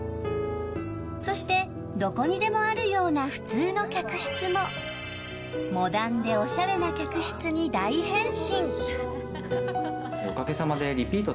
そして、どこにでもあるような普通の客室もモダンでおしゃれな客室に大変身。